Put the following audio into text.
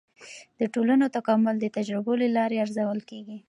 د ټولنو تکامل د تجربو له لارې ارزول کیږي.